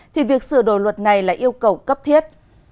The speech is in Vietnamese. thì việc sửa đổi luật này là yêu cầu cấp thiết